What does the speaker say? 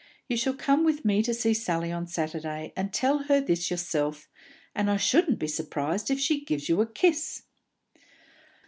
You shall come with me to see Sally on Saturday, and tell her this yourself, and I shouldn't be surprised if she gives you a kiss!"